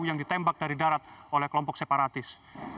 yang ditembak dari darat oleh kelompok separatis